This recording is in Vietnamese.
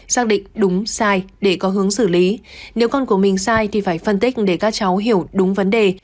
xác định đúng sai để có hướng xử lý nếu con của mình sai thì phải phân tích để các cháu hiểu đúng vấn đề